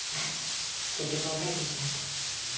結局別れてしまって。